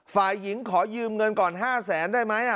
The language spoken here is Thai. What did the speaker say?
ฝ่ายหญิงขอยืมเงินก่อน๕แสนได้ไหม